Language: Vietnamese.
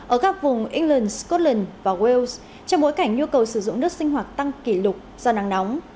ở các vùng england scotland và wales trong bối cảnh nhu cầu sử dụng nước sinh hoạt tăng kỷ lục do nắng nóng